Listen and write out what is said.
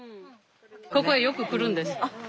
ここへよく来るんです。